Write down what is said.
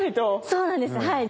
そうなんですはい。